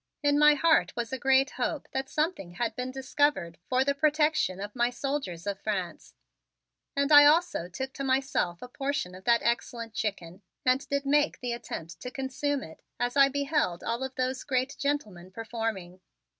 In my heart was a great hope that something had been discovered for the protection of my soldiers of France, and I also took to myself a portion of that excellent chicken and did make the attempt to consume it as I beheld all of those great gentlemen performing.